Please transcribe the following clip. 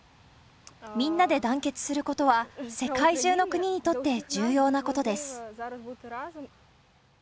みんなで団結することは、世界中の国にとって重要なことです。